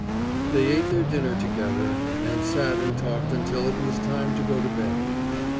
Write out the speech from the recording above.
They ate their dinner together, and sat and talked until it was time to go to bed.